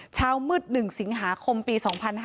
เช้ามืด๑สิงหาคมปี๒๕๕๙